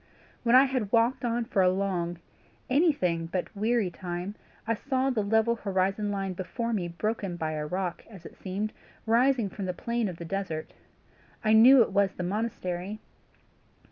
"After I had walked on for a long, anything but weary time, I saw the level horizon line before me broken by a rock, as it seemed, rising from the plain of the desert. I knew it was the monastery.